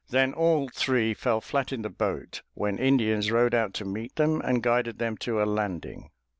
Then they all three fell flat in the boat, when Indians rowed out to meet them and guided them to a landing.